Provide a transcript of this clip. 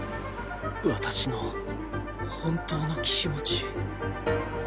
私の本当の気持ち。